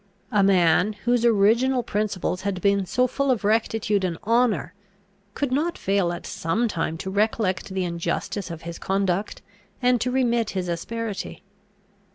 A man, whose original principles had been so full of rectitude and honour, could not fail at some time to recollect the injustice of his conduct, and to remit his asperity.